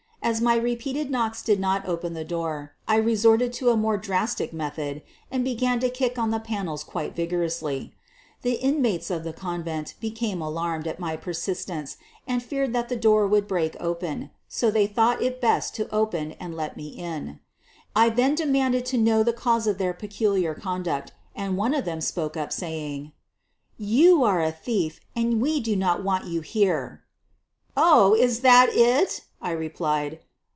As my repeated knocks did not open the door, I resorted to a more drastic method and began to kick on the panels quite vigorously. The inmates of the con vent became alarmed at my persistence and feared that the door would be broken open, so they thought it best to open and let me in. I then demanded to QUEEN OF THE BURGLARS 21 know the cause of their peculiar conduct, and one of them spoke up, saying: "You are a thief, and we do not want you here." "Oh, is that it!" I replied.